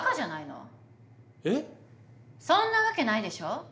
そんなわけないでしょ？